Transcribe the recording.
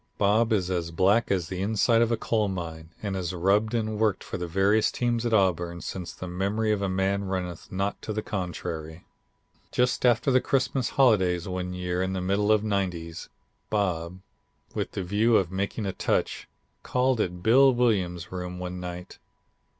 Bob is as black as the inside of a coal mine and has rubbed and worked for the various teams at Auburn 'since the memory of man runneth not to the contrary.' [Illustration: BILLY BULL ADVISING WITH CAPTAIN TALBOT] "Just after the Christmas holidays one year in the middle nineties, Bob, with the view of making a touch, called at Bill Williams' room one night.